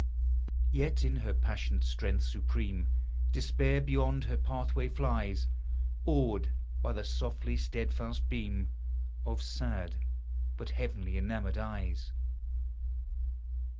Yet in her passionate strength supreme, Despair beyond her pathway flies, Awed by the softly steadfast beam Of sad, but heaven enamored eyes